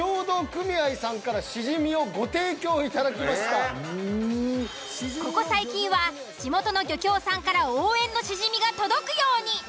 今回なんとここ最近は地元の漁協さんから応援のシジミが届くように。